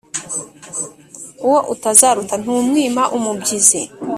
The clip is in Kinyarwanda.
Uwo utazaruta ntumwima umubyizi